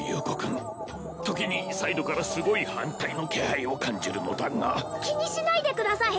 君ときにサイドからすごい反対の気配を感じるのだが気にしないでください